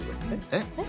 えっ？